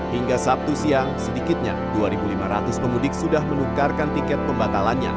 hingga sabtu siang sedikitnya dua lima ratus pemudik sudah menukarkan tiket pembatalannya